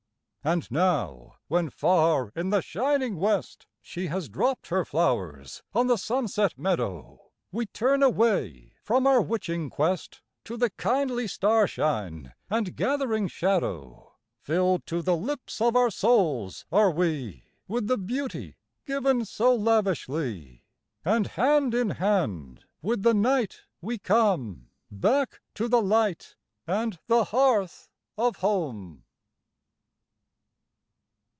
73 And now, when far in the shining west She has dropped her flowers on the sunset meadow, We turn away from our witching quest To the kindly starshine and gathering shadow; Filled to the lips of our souls are we With the beauty given so lavishly, And hand in hand with the night we come Back to the light and the hearth of home.